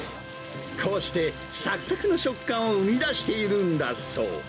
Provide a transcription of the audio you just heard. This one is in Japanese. こうして、さくさくの食感を生み出しているんだそう。